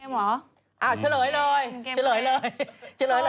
เทมหรอเป็นเกมเพลย์อ่าเฉลยเลยเฉลยเลย